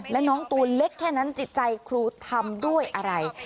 และน้องตัวเล็กแค่นั้นจิตใจครูทำด้วยอะไร